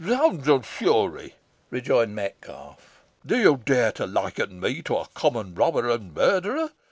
"Zounds and fury!" rejoined Metcalfe. "Do you dare to liken me to a common robber and murderer?